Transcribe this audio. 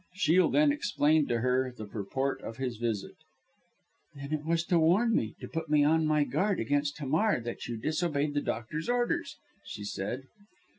Shiel then explained to her the purport of his visit. "Then it was to warn me, to put me on my guard against Hamar, that you disobeyed the doctor's orders," she said.